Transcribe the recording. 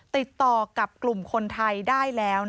ติดต่อกับกลุ่มคนไทยได้แล้ว